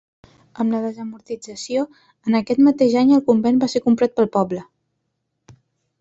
Amb la desamortització, en aquest mateix any el convent va ser comprat pel poble.